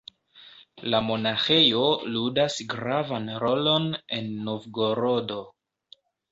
La monaĥejo ludas gravan rolon en Novgorodo.